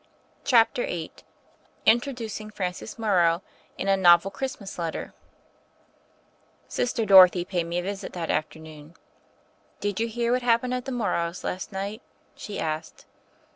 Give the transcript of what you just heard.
CHAPTER VIII INTRODUCING FRANCIS MORROW AND A NOVEL CHRISTMAS LETTER SISTER DOROTHY paid mc a visit that afternoon. Did you hear what happened at the Mor rows' last night?*' she asked.